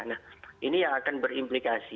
nah ini yang akan berimplikasi